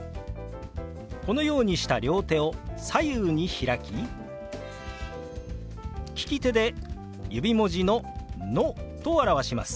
このようにした両手を左右に開き利き手で指文字の「ノ」と表します。